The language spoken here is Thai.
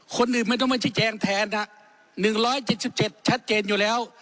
คนอื่นไม่ต้องมาใช้แจงแทนฮะหนึ่งร้อยเจ็ดสิบเจ็ดชัดเจนอยู่แล้ว